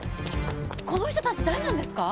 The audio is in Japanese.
この人たち誰なんですか？